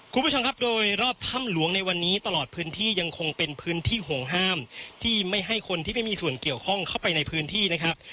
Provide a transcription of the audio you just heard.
คุณผู้ชมครับโดยรอบถ้ำหลวงในวันนี้ตลอดพื้นที่ยังคงเป็นพื้นที่ห่วงห้ามที่ไม่ให้คนที่ไม่มีส่วนเกี่ยวข้องเข้าไปในพื้นที่นะครับ